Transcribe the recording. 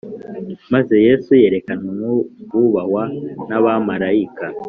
Maze yesu yerekanwa nk’Uwubahwa n’abamarayika